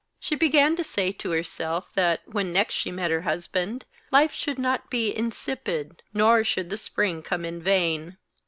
She began to say to herself that, when next she met her husband, life should not be insipid nor should the spring come in vain.